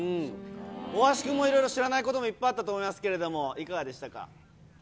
大橋君も、いろいろ知らないことあったと思いますけど、いかがでしたか？